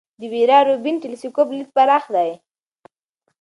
د ویرا روبین ټیلسکوپ لید پراخ دی.